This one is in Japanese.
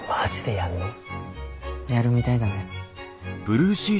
やるみたいだね。